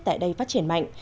tại đây phát triển mạnh